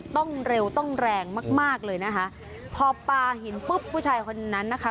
ต้องเร็วต้องแรงมากมากเลยนะคะพอปลาหินปุ๊บผู้ชายคนนั้นนะคะ